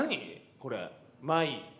これ。